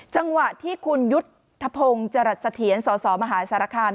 จังหวะที่คุณยุทธพงศ์จรัสเถียรสสมหาสารคาม